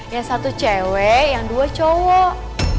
yang satu cewek yang dua cowok